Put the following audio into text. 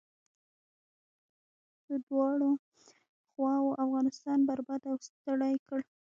څو دواړو خواوو افغانستان برباد او ستړی کړ.